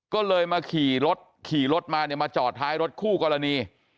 ก็เลยมาขี่รถขี่รถมาเนี่ยมาจอดท้ายรถคู่กรณี